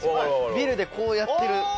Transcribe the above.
ビルでこうやってる。